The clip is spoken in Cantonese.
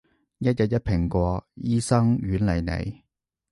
一日一蘋果，醫生遠離你